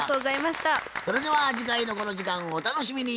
それでは次回のこの時間をお楽しみに。